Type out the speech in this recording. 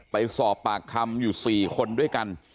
ไปสอบปากคำอยู่๔คนด้วยกัน